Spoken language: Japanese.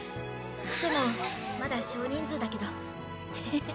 でもまだ少人数だけどへへっ。